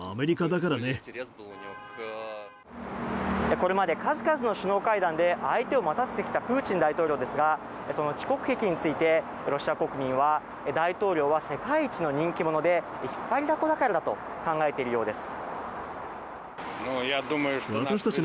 これまで数々の首脳会談で相手を待たせてきたプーチン大統領ですがその遅刻壁についてロシア国民は大統領は世界一の人気者で引っ張りだこだからだと考えているようです。